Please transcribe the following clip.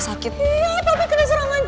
ya udah kita ke rumah